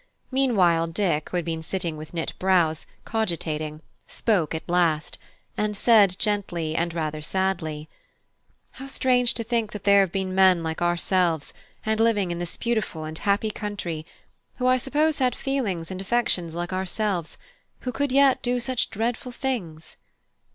Meanwhile Dick, who had been sitting with knit brows, cogitating, spoke at last, and said gently and rather sadly: "How strange to think that there have been men like ourselves, and living in this beautiful and happy country, who I suppose had feelings and affections like ourselves, who could yet do such dreadful things."